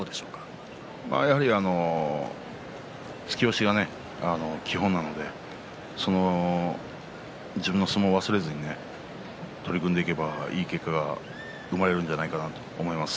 突き押しがね、基本なので自分の相撲を忘れずに取り組んでいけばいい結果が生まれるんじゃないかなと思います。